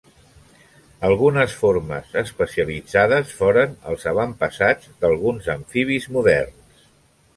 Algunes formes especialitzades foren els avantpassats d'alguns amfibis moderns.